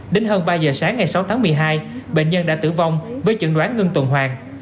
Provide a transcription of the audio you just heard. đến hơn ba giờ sáng ngày sáu tháng một mươi hai bệnh nhân đã tử vong với chẩn đoán ngưng tuần hoàng